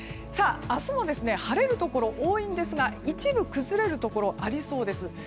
明日も晴れるところ多いんですが一部崩れるところありそうです。